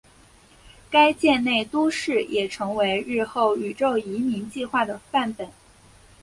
该舰内都市也成为日后宇宙移民计画的范本。